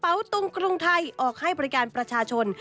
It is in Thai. ตุงกรุงไทยออกให้บริการประชาชน